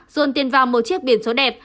dồn tiền vào một chiếc biển số đẹp